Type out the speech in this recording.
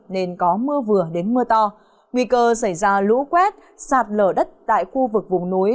nên có mưa vừa đến mưa to nguy cơ xảy ra lũ quét sạt lở đất tại khu vực vùng núi